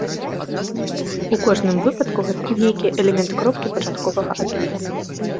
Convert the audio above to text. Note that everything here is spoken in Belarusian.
У кожным выпадку, гэта нейкі элемент кропкі пачатковага адліку.